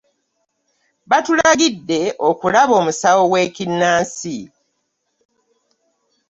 Batulagiride okulaba omusawo w'ekinaansi.